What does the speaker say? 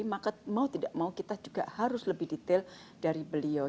maka mau tidak mau kita juga harus lebih detail dari beliau